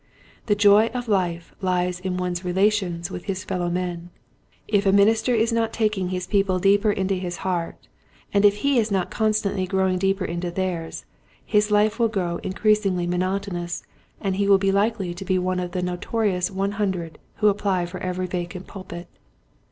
The joy of life lies in one's relations with his fellowmen. If a minister is not taking his people deeper into his heart and if he is not constantly growing deeper into theirs his life will grow increasingly monotonous and he will be likely to be one of the notorious one hundred who apply for every vacant pulpit.